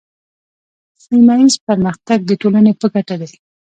سیمه ایز پرمختګ د ټولنې په ګټه دی.